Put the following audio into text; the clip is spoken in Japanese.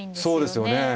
そうですよね。